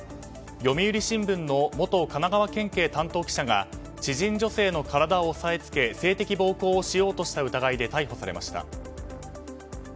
読売新聞の元神奈川県警担当記者が知人女性の体を押さえつけ性的暴行をしようとした疑いで逮捕されました。